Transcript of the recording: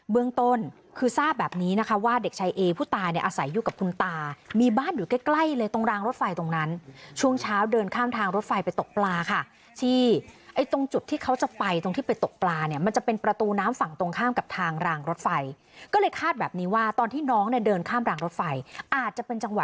เรื่องต้นคือทราบแบบนี้นะคะว่าเด็กชายเอผู้ตายเนี่ยอาศัยอยู่กับคุณตามีบ้านอยู่ใกล้ใกล้เลยตรงรางรถไฟตรงนั้นช่วงเช้าเดินข้ามทางรถไฟไปตกปลาค่ะที่ไอ้ตรงจุดที่เขาจะไปตรงที่ไปตกปลาเนี่ยมันจะเป็นประตูน้ำฝั่งตรงข้ามกับทางรางรถไฟก็เลยคาดแบบนี้ว่าตอนที่น้องเนี่ยเดินข้ามรางรถไฟอาจจะเป็นจัง